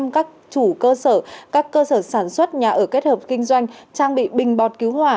các chủ cơ sở các cơ sở sản xuất nhà ở kết hợp kinh doanh trang bị bình bọt cứu hỏa